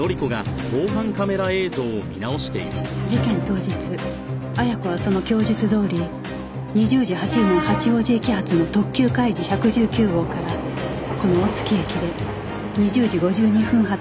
事件当日亜矢子はその供述どおり２０時８分八王子駅発の特急かいじ１１９号からこの大月駅で２０時５２分発